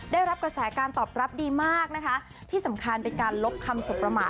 ได้รับกระแสการตอบรับดีมากนะคะที่สำคัญเป็นการลบคำสบประมาท